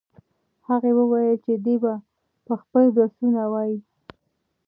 هغه وویل چې دی به خپل درسونه وايي.